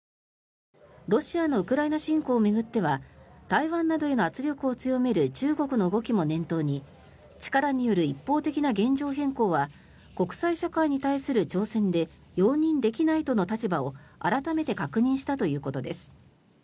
ロシアのウクライナ侵攻を巡っては台湾などへの圧力を強める中国の動きも念頭に力による一方的な現状変更は国際社会に対する挑戦で容認できないとの立場を改めて確認したということです。